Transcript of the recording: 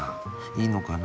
いいのかな？